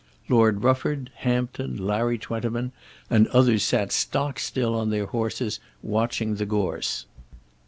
Lord Rufford, Hampton, Larry Twentyman and others sat stock still on their horses, watching the gorse.